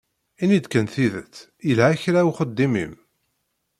Ini-d kan tidet, yelha kra uxeddim-im?